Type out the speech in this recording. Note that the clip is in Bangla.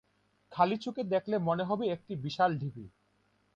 খালি চোখে দেখলে মনে হবে একটি বিশাল ঢিবি।